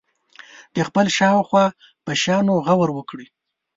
د خپل شاوخوا په شیانو غور وکړي.